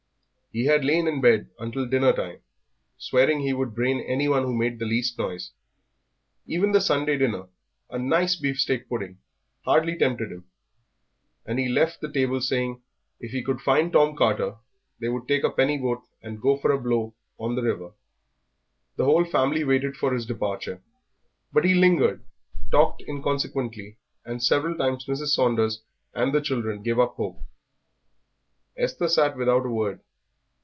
He had lain in bed until dinner time, swearing he would brain anyone who made the least noise. Even the Sunday dinner, a nice beef steak pudding, hardly tempted him, and he left the table saying that if he could find Tom Carter they would take a penny boat and go for a blow on the river. The whole family waited for his departure. But he lingered, talked inconsequently, and several times Mrs. Saunders and the children gave up hope. Esther sat without a word.